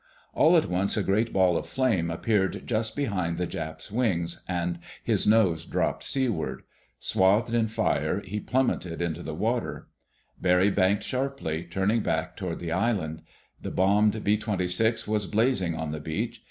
All at once a great ball of flame appeared just behind the Jap's wings, and his nose dropped seaward. Swathed in fire, he plummeted into the water. Barry banked sharply, turning back toward the island. The bombed B 26 was blazing on the beach.